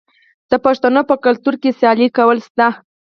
د پښتنو په کلتور کې سیالي کول شته.